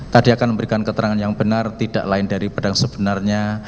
tadi akan memberikan keterangan yang benar tidak lain dari pedang sebenarnya